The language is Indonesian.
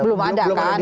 belum ada kan